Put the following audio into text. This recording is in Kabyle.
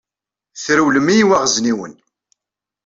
Trewlem i yiweɣezniwen.